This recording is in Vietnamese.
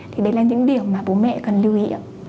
thì đấy là những điểm mà bố mẹ cần lưu ý